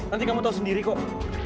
nanti kamu tahu sendiri kok